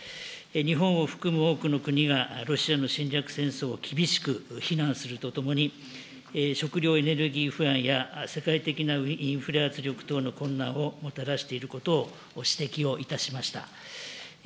日本を含む多くの国がロシアの侵略戦争を厳しく非難するとともに、食料エネルギー不安や世界的なインフレ圧力等の困難をもたらしていることをご指摘をいたしました。